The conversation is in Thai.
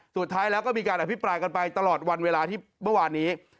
สุดท้ายแล้วก็มีการอภิปรายกันไปตลอดวันเวลาที่เมื่อวานนี้